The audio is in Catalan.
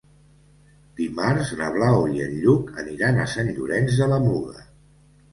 Dimarts na Blau i en Lluc aniran a Sant Llorenç de la Muga.